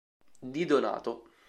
Di Donato